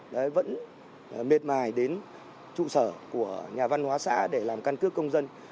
đấy vẫn miệt mài đến trụ sở của nhà văn hóa xã để làm căn cước công dân